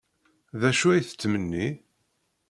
D acu ay tettmenni?